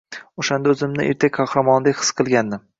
O`shanda o`zimni ertak qahramonidek his qilgandim